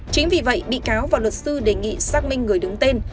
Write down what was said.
chính vì vậy bị cáo và luật sư đề nghị xác minh người đứng tên